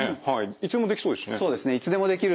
いつでもできそうですしね。